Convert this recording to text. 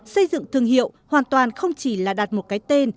xây dựng thương hiệu hoàn toàn không chỉ là đạt một cái tên